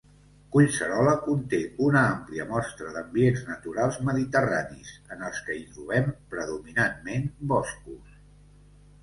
Collserola conté una àmplia mostra d'ambients naturals mediterranis, en els que hi trobem predominantment boscos.